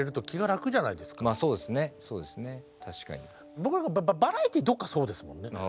僕なんかバラエティーどっかそうですもんね。